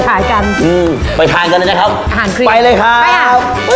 ขายกันอืมไปทานกันเลยนะครับอาหารครีมไปเลยครับไปเอา